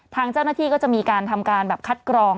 ทางเจ้าหน้าที่ก็จะมีการทำการแบบคัดกรอง